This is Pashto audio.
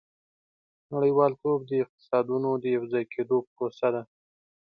• نړیوالتوب د اقتصادونو د یوځای کېدو پروسه ده.